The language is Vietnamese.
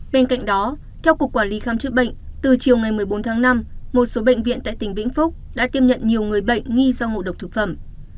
bên cạnh đó theo cục quản lý khám chữa bệnh từ chiều ngày một mươi bốn tháng năm một số bệnh viện tại tỉnh vĩnh phúc đã tiêm nhận nhiều người bệnh nghi do ngộ độc thực phẩm